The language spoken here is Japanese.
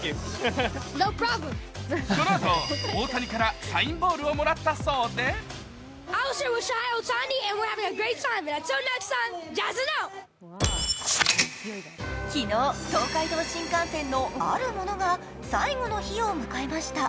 このあと大谷からサインボールをもらったそうで昨日、東海道新幹線のあるものが最後の日を迎えました。